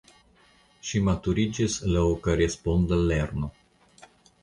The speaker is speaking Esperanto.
Ŝi maturiĝis laŭ koresponda lerno.